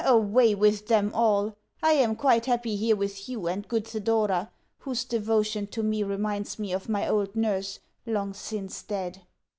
Away with them all! I am quite happy here with you and good Thedora, whose devotion to me reminds me of my old nurse, long since dead.